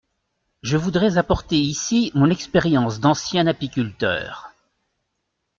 Je voudrais apporter ici mon expérience d’ancien apiculteur.